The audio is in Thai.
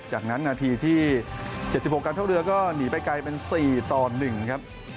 จากนั้นนาทีที่๗๖การเท่าเรือก็หนีไปไกลเป็น๔ต่อ๑ครับ